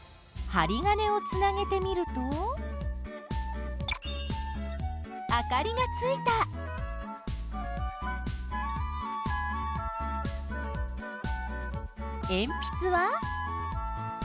針金をつなげてみるとあかりがついた鉛筆は？